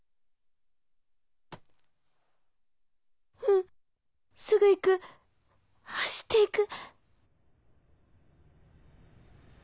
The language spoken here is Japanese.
うんすぐ行く走って行く。